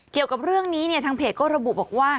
เกี่ยวกับเรื่องนี้เนี่ยทางเพจก็ระบุบอกว่า